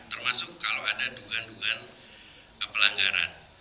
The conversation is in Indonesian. termasuk kalau ada dungan dungan pelanggaran